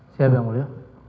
siap yang mulia